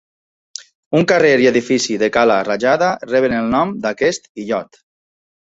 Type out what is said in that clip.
Un carrer i edifici de Cala Rajada reben el nom d'aquest illot.